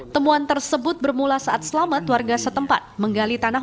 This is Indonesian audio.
temuan tersebut bermula saat selamat warga setempat menggali tanah